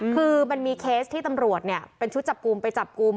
คือมันมีเคสที่ตำรวจเนี่ยเป็นชุดจับกลุ่มไปจับกลุ่ม